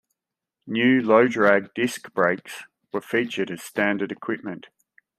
New low-drag disc brakes were featured as standard equipment.